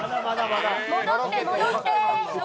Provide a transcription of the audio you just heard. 戻って戻って。